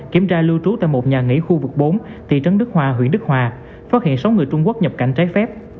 kiểm tra lưu trú tại một nhà nghỉ khu vực bốn thị trấn đức hòa huyện đức hòa phát hiện sáu người trung quốc nhập cảnh trái phép